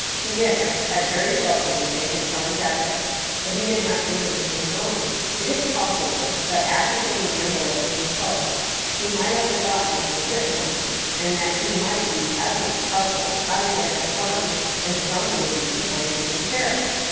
Pierre had very sulkily taken Jean's address, but he had not given him his own. It was possible that, after putting the envelope in the post, he might have forgotten what was written on it, and that he might be as much puzzled how to get at Jean as Jean would be to find him in Paris.